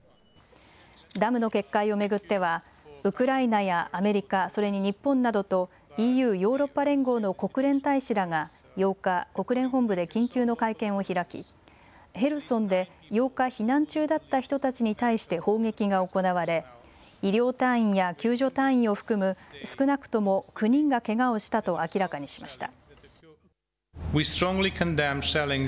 ダムの決壊を巡ってはウクライナやアメリカそれに日本などとＥＵ、ヨーロッパ連合の国連大使らが８日国連本部で緊急の会見を開きヘルソンで８日避難中だった人たちに対して砲撃が行われ医療隊員や救助隊員を含む少なくとも９人がけがをしたと明らかにしました。